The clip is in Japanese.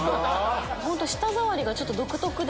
舌触りがちょっと独特で。